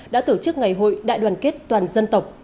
đã tổ chức ngày hội đại đoàn kết toàn dân tộc